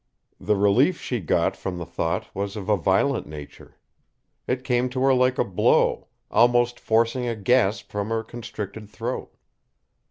The relief she got from the thought was of a violent nature. It came to her like a blow, almost forcing a gasp from her constricted throat.